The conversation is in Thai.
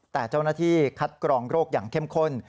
แต่เจ้าหน้าที่คัดกรองโรคอย่างเข้มข้น